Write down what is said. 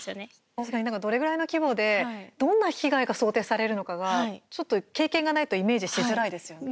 確かにどれぐらいの規模でどんな被害が想定されるのかがちょっと経験がないとイメージしづらいですよね。